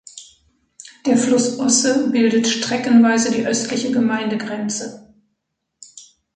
Der Fluss Osse bildet streckenweise die östliche Gemeindegrenze.